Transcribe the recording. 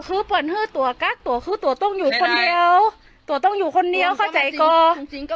ซึ่งมันเกี่ยวหรอก